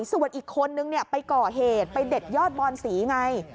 ส่วนอีกคนนึงไปก่อเหตุไปเด็ดยอดบอนศรีไง